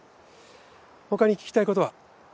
他に聞きたいことは？